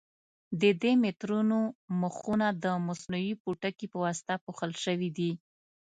د دې مترونو مخونه د مصنوعي پوټکي په واسطه پوښل شوي دي.